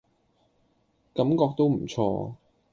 感覺都唔錯